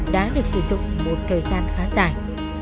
đã được sử dụng một thời gian khá dài